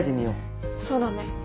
そうだね。